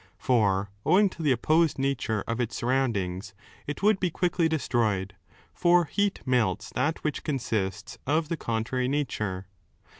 For, owing to the opposed nature of its surroundings, it would be quickly destroyed, for heat melts that which consists of the contrary nature.